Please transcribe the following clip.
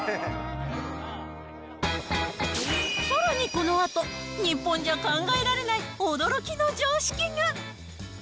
さらにこのあと、日本じゃ考えられない驚きの常識が。